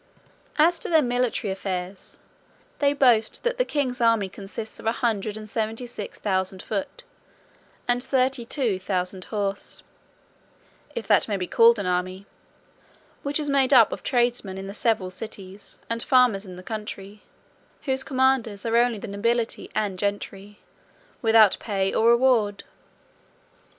As to their military affairs, they boast that the king's army consists of a hundred and seventy six thousand foot, and thirty two thousand horse: if that may be called an army, which is made up of tradesmen in the several cities, and farmers in the country, whose commanders are only the nobility and gentry, without pay or reward.